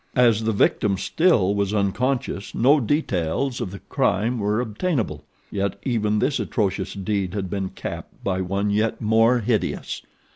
As the victim still was unconscious no details of the crime were obtainable. Yet even this atrocious deed had been capped by one yet more hideous.